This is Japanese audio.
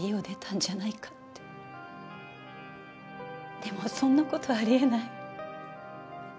でもそんな事あり得ない。